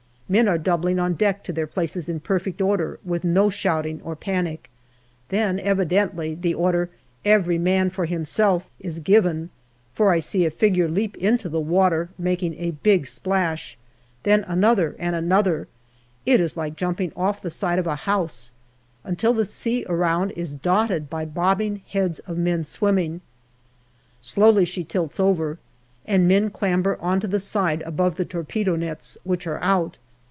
Men are doubling on deck to their places in perfect order, with no shouting or panic. Then, evidently, the order " Every man for himself !" is given, for I see a figure leap into the water, making a big splash ; then another and another it is like jumping off the side of a house until the sea around is dotted by bobbing heads of men swimming. Slowly she tilts over, and men clamber on to the side above the torpedo nets, which are out.